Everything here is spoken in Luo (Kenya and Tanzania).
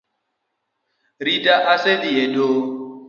Rita osedhi e doho